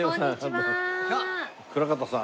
倉方さん